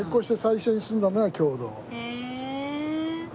へえ！